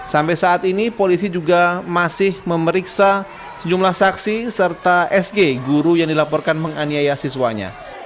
sampai saat ini polisi juga masih memeriksa sejumlah saksi serta sg guru yang dilaporkan menganiaya siswanya